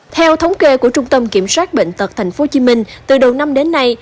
theo thống kê của trung tâm kiểm soát bệnh tật tp hcm từ đầu năm đến nay